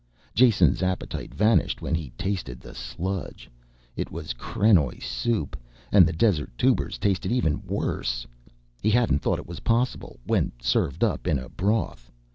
Jason's appetite vanished when he tasted the sludge. It was krenoj soup, and the desert tubers tasted even worse he hadn't thought it was possible when served up in a broth.